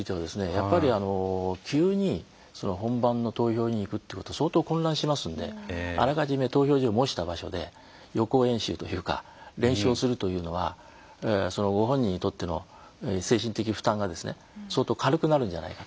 やっぱりあの急に本番の投票に行くってことは相当混乱しますんであらかじめ投票所を模した場所で予行演習というか練習をするというのはご本人にとっての精神的負担がですね相当軽くなるんじゃないかと。